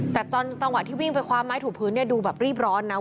แต่ตอนจังหวะที่วิ่งไปคว้าไม้ถูกพื้นเนี่ยดูแบบรีบร้อนนะ